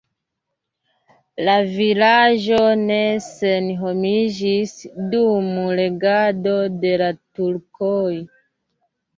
La vilaĝo ne senhomiĝis dum regado de la turkoj.